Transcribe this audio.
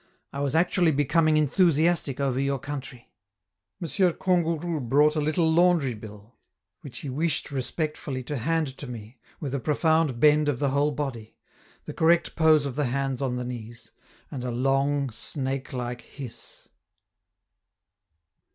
I was actually becoming enthusiastic over your country!" M. Kangourou brought a little laundry bill, which he wished respectfully to hand to me, with a profound bend of the whole body, the correct pose of the hands on the knees, and a long, snake like hiss.